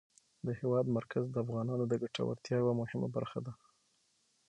د هېواد مرکز د افغانانو د ګټورتیا یوه مهمه برخه ده.